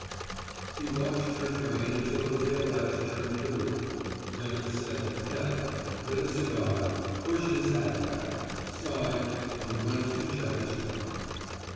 He watched her train until the tail lights turned the loop, then said "Hell," lit a cigar, pushed his hat back, sighed and went to check his trunk.